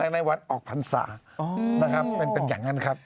ในวันออกพรรษานะครับเป็นอย่างนั้นครับ